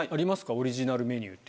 オリジナルメニューって。